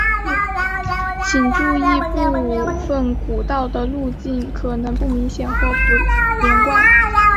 请注意部份古道的路径可能不明显或不连贯。